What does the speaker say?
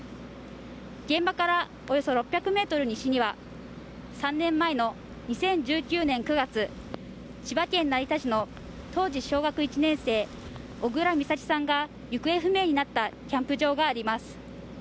現場から、およそ６００ｍ西には３年前の２０１９年９月千葉県成田市の当時小学１年生、小倉美咲さんが行方不明になったキャンプ場があります。